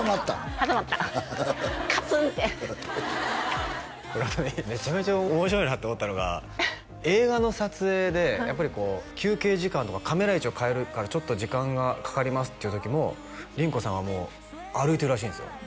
挟まったカツンって俺あとめちゃめちゃ面白いなと思ったのが映画の撮影でやっぱりこう休憩時間とかカメラ位置を変えるからちょっと時間がかかりますっていう時も凛子さんはもう歩いてるらしいんですよ